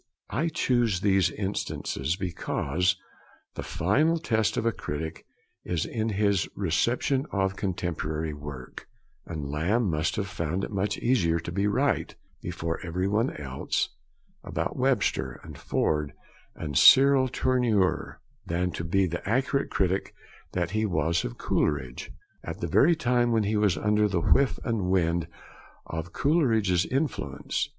I choose these instances because the final test of a critic is in his reception of contemporary work; and Lamb must have found it much easier to be right, before every one else, about Webster, and Ford, and Cyril Tourneur, than to be the accurate critic that he was of Coleridge, at the very time when he was under the 'whiff and wind' of Coleridge's influence.